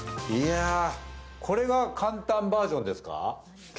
これが簡単バージョンですか？